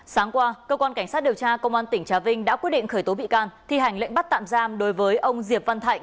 sáng qua cơ quan cảnh sát điều tra công an tỉnh trà vinh đã quyết định khởi tố bị can thi hành lệnh bắt tạm giam đối với ông diệp văn thạnh